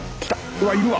うわいるわ！